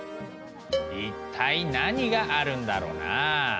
一体何があるんだろうな？